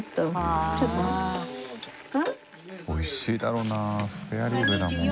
おいしいだろうなスペアリブだもん。